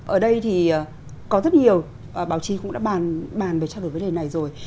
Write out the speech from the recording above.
ở đây thì có rất nhiều báo chí cũng đã bàn về trả lời vấn đề này rồi